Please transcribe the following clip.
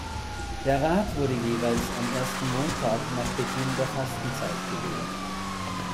Der Rat wurde jeweils am ersten Montag nach Beginn der Fastenzeit gewählt.